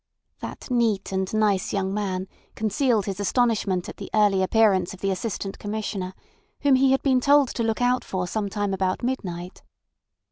That neat and nice young man concealed his astonishment at the early appearance of the Assistant Commissioner, whom he had been told to look out for some time about midnight.